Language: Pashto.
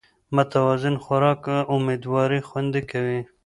متوازن خوراک امېدواري خوندي کوي